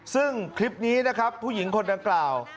ซึ่งคลิปนี้นะครับผู้หญิงคนดังกล่าว